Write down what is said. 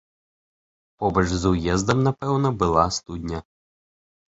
Побач з уездам, напэўна, была студня.